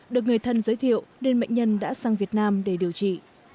được người thân giới thiệu nên bệnh nhân đã sang việt nam để điều trị